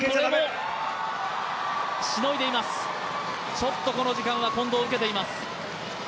ちょっとこの時間は近藤、受けています。